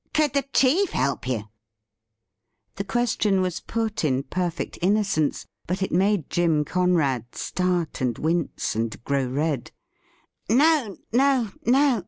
' Could the chief help you ? The question was put in perfect innocence, but it made Jim Conrad start and wince and grow red. ' No — no — ^no